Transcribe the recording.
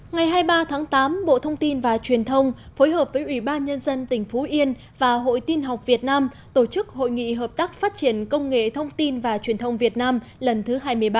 ngày hai mươi ba tháng tám bộ thông tin và truyền thông phối hợp với ủy ban nhân dân tỉnh phú yên và hội tin học việt nam tổ chức hội nghị hợp tác phát triển công nghệ thông tin và truyền thông việt nam lần thứ hai mươi ba